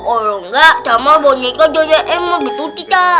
orang gak sama boneka doya emon betul kita